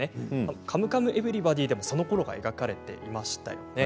「カムカムエヴリバディ」でもそのころが描かれていましたよね。